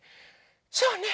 そうね。